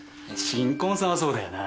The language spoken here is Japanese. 新婚さんはそうだよな。